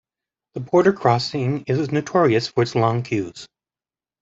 The border crossing is notorious for its long queues.